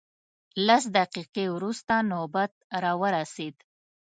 لس دقیقې وروسته نوبت راورسېد.